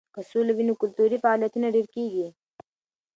که سوله وي نو کلتوري فعالیتونه ډېر کیږي.